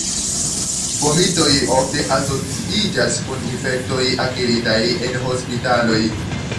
Fomitoj ofte asociiĝas kun infektoj akiritaj en hospitaloj.